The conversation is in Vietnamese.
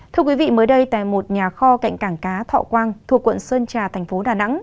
thưa quý vị mới đây tại một nhà kho cạnh cảng cá thọ quang thuộc quận sơn trà thành phố đà nẵng